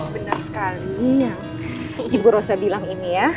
benar sekali yang ibu rosa bilang ini ya